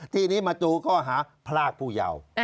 ที่นี้มจุก็หาพรากผู้ยาว